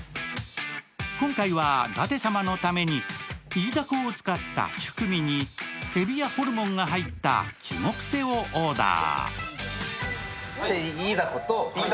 今回は舘様のためにイイダコを使ったチュクミにえびやホルモンが入ったチュゴプセをオーダー